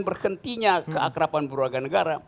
berhentinya keakrapan berwarga negara